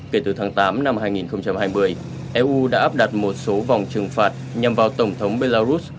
kể từ tháng tám năm hai nghìn hai mươi eu đã áp đặt một số vòng trừng phạt nhằm vào tổng thống belarus